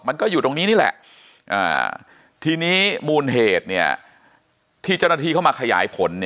มันก็อยู่ตรงนี้นี่แหละทีนี้มูลเหตุที่เจ้าหน้าที่เข้ามาขยายผล